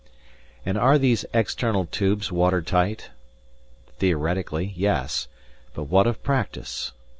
And are these external tubes water tight? Theoretically, yes, but what of practice?